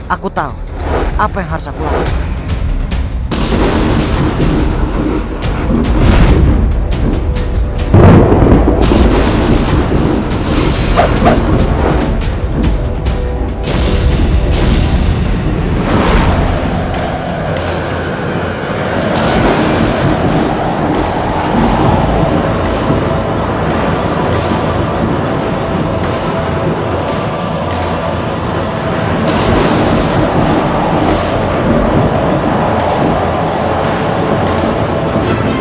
aku tahu apa yang harus aku lakukan